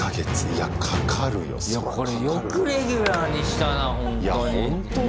いやこれよくレギュラーにしたなほんとに。